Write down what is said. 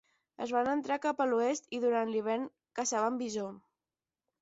Es van estendre cap a l'oest i durant l'hivern caçaven bisó.